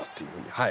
はい。